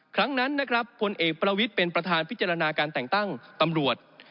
ครั้งนั้นนะครับพลเอกประวิทย์เป็นประธานพิจารณาการแต่งตั้งตำรวจ